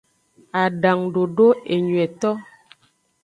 Adangudodo enyuieto.